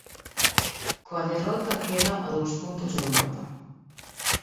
Coa derrota, queda a dous puntos de Europa.